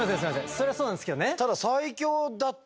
そりゃそうなんですけどね。